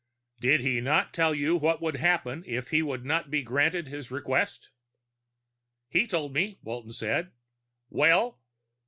"Did he not tell you what would happen if he would not be granted his request?" "He told me," Walton said. "Well?"